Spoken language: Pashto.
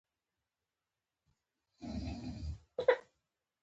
فلزي اړیکه له اشتراکي او ایوني اړیکې سره توپیر لري.